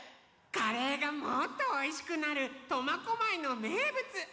カレーがもっとおいしくなる苫小牧のめいぶつもってきたよ！